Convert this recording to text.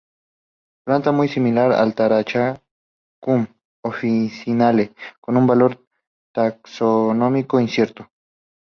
Planta muy similar a "Taraxacum officinale" con un valor taxonómico incierto.